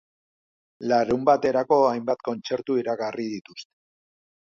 Larunbaterako hainbat kontzertu iragarri dituzte.